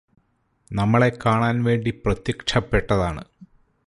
നമ്മളെ കാണാൻ വേണ്ടി പ്രത്യക്ഷപ്പെട്ടതാണ്